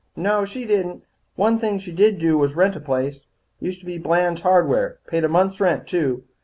"No, she didn't. One thing she did do was rent a place. Used to be Blands Hardware. Paid a month's rent, too.